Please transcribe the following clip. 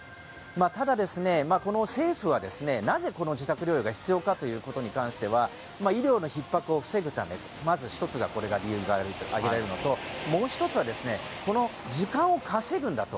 ただ、政府はなぜ自宅療養が必要かということに関しては医療のひっ迫を防ぐためまず１つが、これが理由として挙げられるのともう１つは時間を稼ぐんだと。